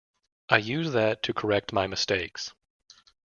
I used that to correct my mistakes.